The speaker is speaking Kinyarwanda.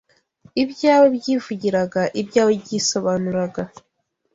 Ibyawe byivugiraga, ibyawe byisobanuraga